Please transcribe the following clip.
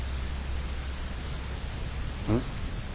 うん？